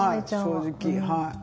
正直はい。